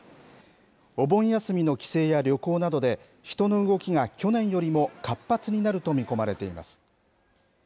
お盆休みの帰省や旅行などで人の動きが去年よりも活発になると見込まれています。